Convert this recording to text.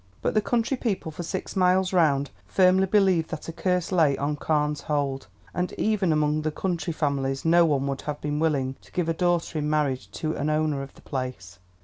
But the country people for six miles round firmly believed that a curse lay on Carne's Hold, and even among the county families no one would have been willing to give a daughter in marriage to an owner of the place.